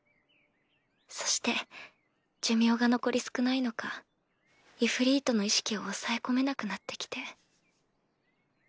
そして寿命が残り少ないのかイフリートの意識を抑え込めなくなって来て。